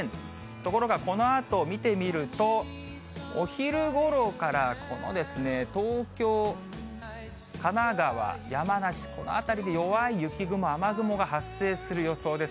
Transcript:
ところがこのあと見てみると、お昼ごろから東京、神奈川、山梨、この辺りで弱い雪雲、雨雲が発生する予想です。